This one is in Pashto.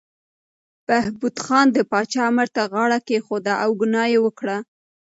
بهبود خان د پاچا امر ته غاړه کېښوده او ګناه یې وکړه.